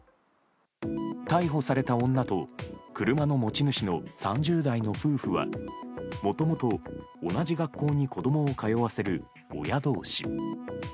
逮捕された女と車の持ち主の３０代の夫婦はもともと同じ学校に子供を通わせる親同士。